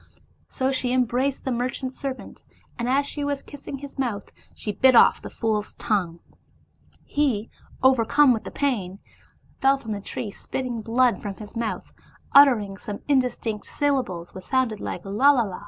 So she embraced the mer chant's servant, and as she was kissing his mouth, she bit off the fool's tongue. He, overcome with the pain, fell from that tree spitting blood from his mouth, uttering some indis tinct syllables, which sounded like Lalalla.